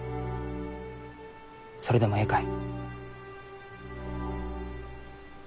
それでもえいかえ？